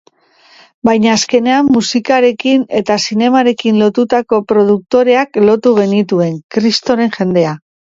Baina azkenean musikarekin eta zinemarekin lotutako produktoreak lortu genituen, kristoren jendea.